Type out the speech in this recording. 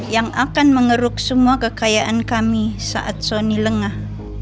yang akan mengeruk semua kekayaan kami saat sony lengah